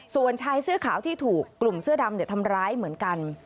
ส่วนชายเสื้อขาวที่ถูกกลุ่มเสื้อดำทำร้ายเหมือนกัน